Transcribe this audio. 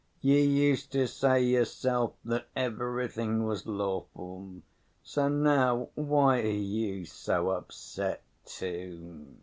"You used to say yourself that everything was lawful, so now why are you so upset, too?